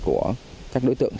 của các đối tượng